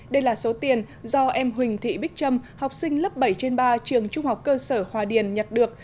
đây là số tiền do em huỳnh thị bích trâm học sinh lớp bảy trên ba trường trung học cơ sở hòa điền nhặt được